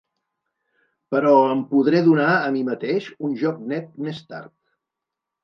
Però em podré donar a mi mateix un joc net més tard.